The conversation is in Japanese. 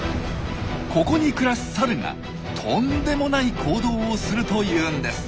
ここに暮らすサルがとんでもない行動をするというんです。